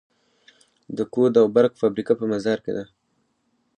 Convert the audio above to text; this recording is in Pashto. د کود او برق فابریکه په مزار کې ده